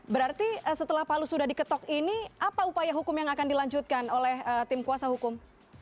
berarti setelah palu sudah diketok ini apa upaya hukum yang akan dilanjutkan oleh tim kuasa hukum